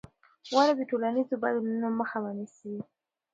ولې د ټولنیزو بدلونونو مخه مه نیسې؟